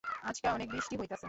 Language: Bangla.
আজকা অনেক বৃষ্টি হইতাছে।